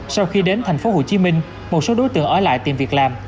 sau khi đến thành phố hồ chí minh một số đối tượng ở lại tìm việc làm